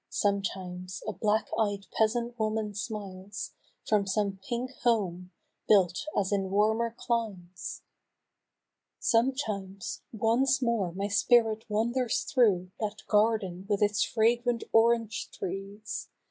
Sometimes a black eyed peasant woman smiles From some pink home, built as in warmer cUmes. Sometimes once more my spirit wanders through That garden with its fragrant orange trees.